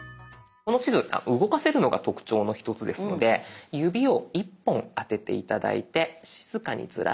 この地図動かせるのが特徴の１つですので指を１本当てて頂いて静かにズラしてみて下さい。